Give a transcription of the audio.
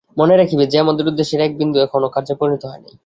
মনে রাখিবে যে, আমাদের উদ্দেশ্যের এক বিন্দুও এখনও কার্যে পরিণত হয় নাই।